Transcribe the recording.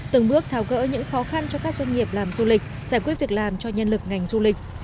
từng bước tháo gỡ những khó khăn cho các doanh nghiệp làm du lịch giải quyết việc làm cho nhân lực ngành du lịch